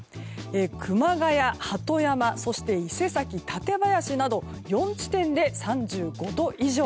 熊谷、鳩山、そして伊勢崎館林など４地点で３５度以上。